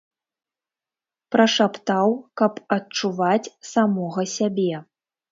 Прашаптаў, каб адчуваць самога сябе.